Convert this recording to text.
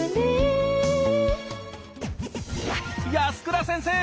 安倉先生！